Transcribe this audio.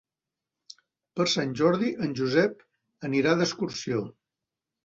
Per Sant Jordi en Josep anirà d'excursió.